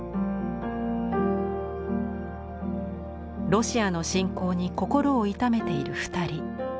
ロシアの侵攻に心を痛めている２人。